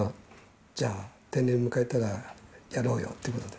じゃあ、定年迎えたらやろうよっていうことで。